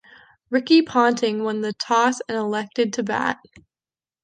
Ricky Ponting won the toss and elected to bat.